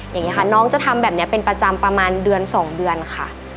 อย่างนี้ค่ะน้องจะทำแบบนี้เป็นประจำประมาณเดือน๒เดือนค่ะ